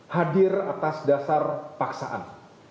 hadir atas dasar paksaan